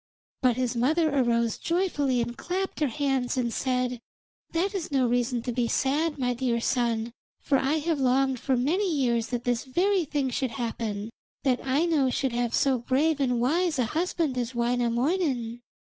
But his mother arose joyfully and clapped her hands and said: 'That is no reason to be sad, my dear son, for I have longed for many years that this very thing should happen that Aino should have so brave and wise a husband as Wainamoinen.'